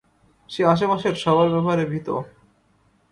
সে আশেপাশের সবার ব্যাপারে ভীত।